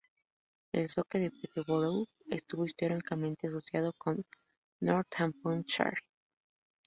El soke de Peterborough estuvo históricamente asociado con Northamptonshire.